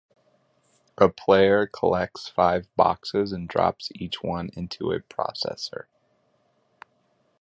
The player collects five boxes and drops each one into a processor.